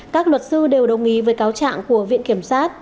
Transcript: các luật sư đều đồng ý với cáo trạng của viện kiểm sát